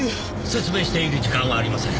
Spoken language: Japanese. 説明している時間はありません。